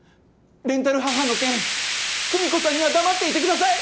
レンタル母の件久美子さんには黙っていてください！